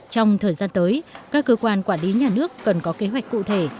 trong thời gian tới các cơ quan quản lý nhà nước cần có kế hoạch cụ thể